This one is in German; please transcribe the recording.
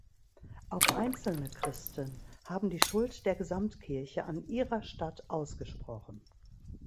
Auch einzelne Christen haben die Schuld der Gesamtkirche an ihrer Statt ausgesprochen.